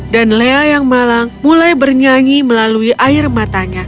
dan leah yang malang mulai bernyanyi melalui air matanya